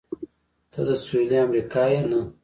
ته د سهېلي امریکا یې؟ نه.